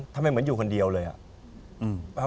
เหมือนอยู่คนเดียวเลยอะ